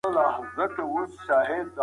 تاسو ولي په خپله پوهنه باندي فخر نه کوئ؟